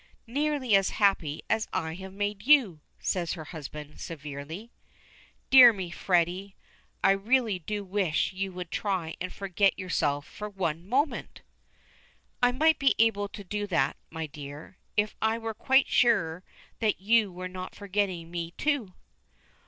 "Nearly as happy as I have made you!" says her husband, severely. "Dear me, Freddy I really do wish you would try and forget yourself for one moment!" "I might be able to do that, my dear, if I were quite sure that you were not forgetting me, too."